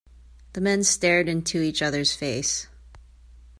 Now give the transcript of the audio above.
The men stared into each other's face.